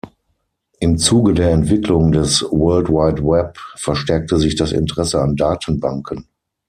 Im Zuge der Entwicklung des World Wide Web verstärkte sich das Interesse an Datenbanken.